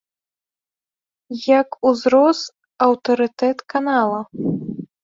Як узрос аўтарытэт канала!